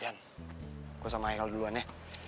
rian aku sama ayal duluan ya